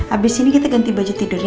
abis ini kita ganti baju tidur ya